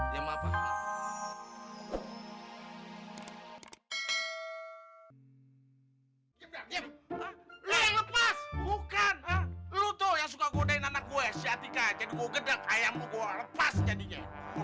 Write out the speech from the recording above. lepas bukan lu tuh yang suka godain anak gue siap ikan jadi mau gede ayam gue lepas jadinya